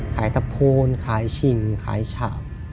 ตะโพนขายชิงขายฉาบ